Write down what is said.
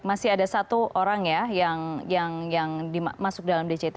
masih ada satu orang ya yang dimasuk dalam dct